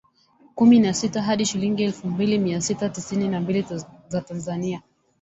Kumi na sita hadi shilingi elfu mbili Mia sita tisini na mbili za Tanzania